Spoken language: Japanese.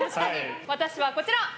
私は、こちら。